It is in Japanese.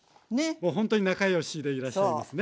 ほんとに仲良しでいらっしゃいますね。